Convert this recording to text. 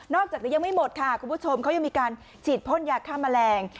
จากนี้ยังไม่หมดค่ะคุณผู้ชมเขายังมีการฉีดพ่นยาฆ่าแมลง